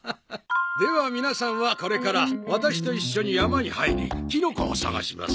では皆さんはこれからワタシと一緒に山に入りキノコを探します。